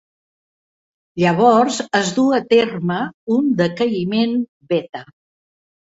Llavors, es duu a terme un decaïment beta.